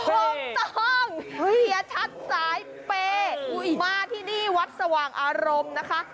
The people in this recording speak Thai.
ถูกต้องเฮียชัดสายเปย์มาที่นี่วัดสว่างอารมณ์นะคะ